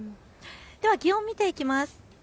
では気温、見ていきます。